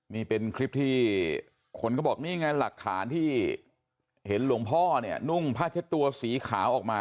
นี่เป็นคลิปที่คนก็บอกนี่ไงหลักฐานที่เห็นหลวงพ่อเนี่ยนุ่งผ้าเช็ดตัวสีขาวออกมา